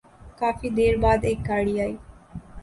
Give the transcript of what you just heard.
کافی دیر بعد ایک گاڑی آئی ۔